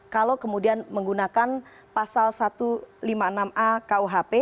kalau kemudian menggunakan pasal satu ratus lima puluh enam a kuhp